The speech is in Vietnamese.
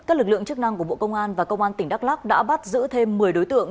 các lực lượng chức năng của bộ công an và công an tỉnh đắk lắc đã bắt giữ thêm một mươi đối tượng